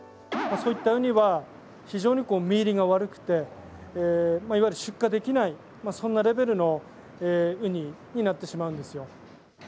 そういったウニは非常に、身入りが悪くていわゆる出荷できないそんなレベルのウニになってしまうんですよ。